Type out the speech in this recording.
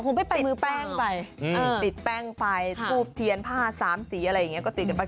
ผมไปมือแป้งไปติดแป้งไปทูบเทียนผ้าสามสีอะไรอย่างนี้ก็ติดกันไป